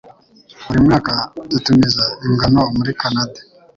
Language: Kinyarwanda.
Buri mwaka dutumiza ingano muri Kanada